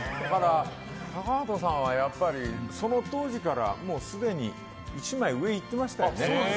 高畑さんは、その当時からすでに１枚上をいってましたよね。